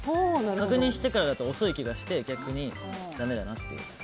確認してからだと遅い気がして逆にだめだなって。